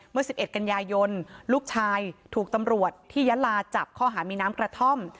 เมื่อ๑๑กันยายนลูกชายถูกตำรวจที่ยะลาจับข้อหามีน้ำกระท่อม